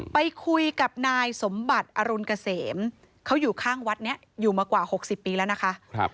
ไปคุยกับนายสมบัติอรุณเกษมเขาอยู่ข้างวัดนี้อยู่มากว่า๖๐ปีแล้วนะคะ